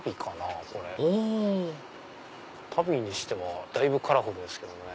あ足袋にしてはだいぶカラフルですけどね。